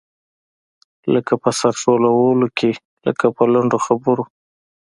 لکه په سر ښورولو، لکه په لنډو خبرو.